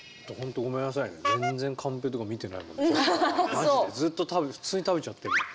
まじでずっと食べ普通に食べちゃってるもん。